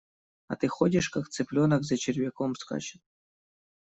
А ты ходишь, как цыпленок за червяком скачет.